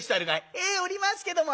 「ええおりますけども」。